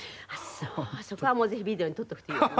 そこはもうぜひビデオに撮っておくといいわね。